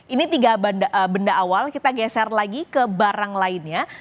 ini tiga benda awal kita geser lagi ke barang lainnya